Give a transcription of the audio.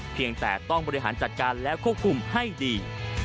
เพียงแต่ต้องบริหารจัดการและควบคุมให้ดี